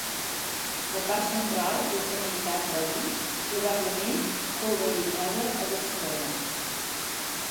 La part central és de meitat del i, probablement, fou realitzada a Barcelona.